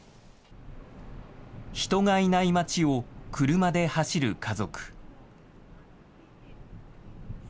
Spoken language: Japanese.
人がいない町を車で走る家族。